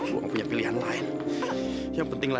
gustaf ngapain sih dia disini